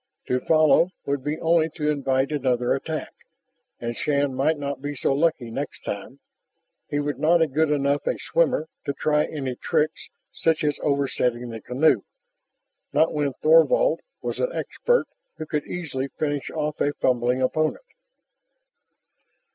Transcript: To follow would be only to invite another attack, and Shann might not be so lucky next time. He was not good enough a swimmer to try any tricks such as oversetting the canoe, not when Thorvald was an expert who could easily finish off a fumbling opponent.